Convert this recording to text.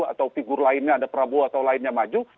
atau figur lainnya ada prabowo atau lainnya maju